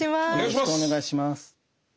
よろしくお願いします。